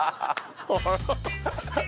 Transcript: ハハハハ！